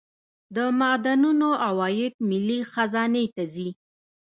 د معدنونو عواید ملي خزانې ته ځي